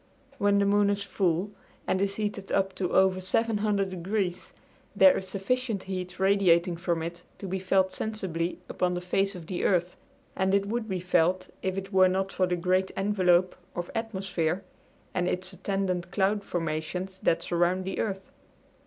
When the moon is full and is heated up to over 700 degrees there is sufficient heat radiating from it to be felt sensibly upon the face of the earth, and it would be felt if it were not for the great envelope of atmosphere and its attendant cloud formations that surround the earth.